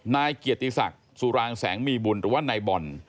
นายเกียรติศักดิ์สุรางแสงมีบุญหรือว่านายบอล